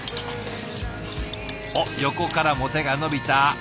おっ横からも手が伸びた。